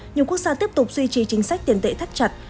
nhiều quốc gia tiếp tục duy trì chính sách tiền tệ thắt chặt